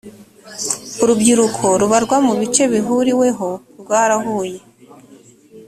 urubyiruko rubarwa mu bice bihuriweho rwarahuye.